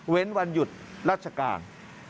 เว้นวันหยุดรัชการ